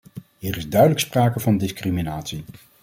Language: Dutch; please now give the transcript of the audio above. Hier is duidelijk sprake van discriminatie.